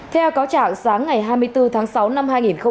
theo cáo trạng sáng ngày hai mươi bốn tháng sáu năm hai nghìn một mươi chín